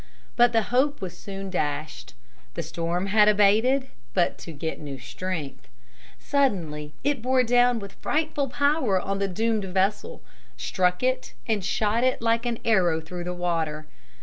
But the hope was soon dashed. The storm had abated but to get new strength. Suddenly it bore down with frightful power on the doomed vessel, struck it, and shot it like an arrow through the water.